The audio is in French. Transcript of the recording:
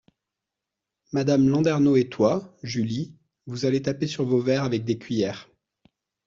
Madame Landernau et toi, Julie, vous allez taper sur vos verres avec des cuillers…